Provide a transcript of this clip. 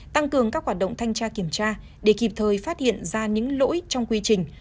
tăng cường các hoạt động thanh tra kiểm tra để kịp thời phát hiện ra những lỗi trong quy trình